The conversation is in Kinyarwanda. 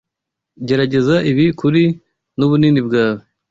Gerageza ibi kuri. Nubunini bwawe.